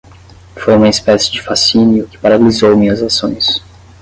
Foi uma espécie de fascínio que paralisou minhas ações.